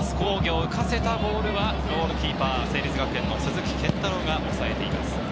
浮かせたボールはゴールキーパー、成立学園、鈴木健太郎が抑えています。